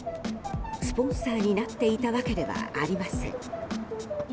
スポンサーになっていたわけではありません。